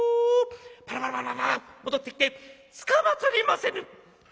パラパラパラパラッ戻ってきて『つかまつりませぬ』。